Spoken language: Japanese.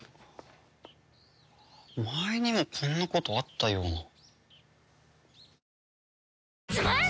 前にもこんなことあったような。